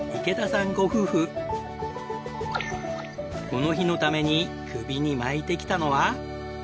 この日のために首に巻いてきたのは。